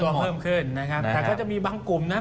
ตอบตัวเข้มขึ้นนะครับแต่ก็จะมีบางกลุ่มนะ